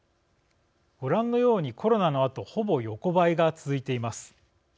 ご覧のようにコロナのあとほぼ横ばいが続いています。